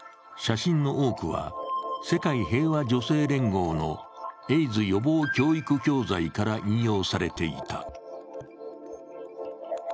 写真の多くは、世界平和女性連合のエイズ予防教育教材から引用されていた。